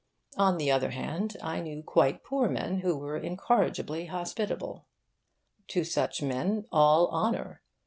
On the other hand, I knew quite poor men who were incorrigibly hospitable. To such men, all honour.